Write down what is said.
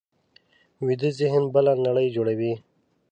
ویده ذهن بله نړۍ جوړوي